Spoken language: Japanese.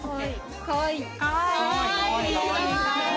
かわいい。